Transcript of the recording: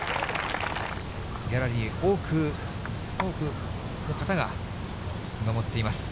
ギャラリー、多くの方が見守っています。